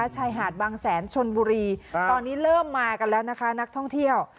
ชายหาดบางแสนชนบุรีตอนนี้เริ่มมากันแล้วนะคะนักท่องเที่ยว